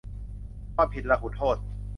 ความผิดลหุโทษ